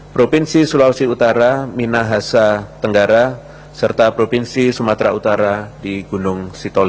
provinsi sulawesi utara minahasa tenggara serta provinsi sumatera utara di gunung sitolik